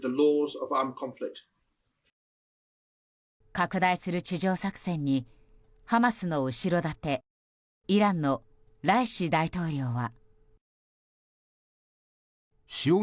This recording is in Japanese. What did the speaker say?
拡大する地上作戦にハマスの後ろ盾イランのライシ大統領は。